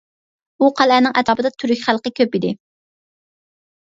ئۇ قەلئەنىڭ ئەتراپىدا تۈرك خەلقى كۆپ ئىدى.